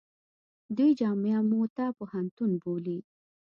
دوی جامعه موته پوهنتون بولي.